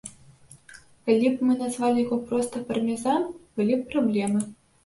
Калі б мы назвалі яго проста пармезан, былі б праблемы.